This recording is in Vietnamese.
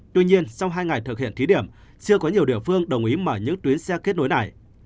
tuy nhiên sau hai ngày thực hiện thí điểm chưa có nhiều địa phương đồng ý mở những tuyến xe kết nối này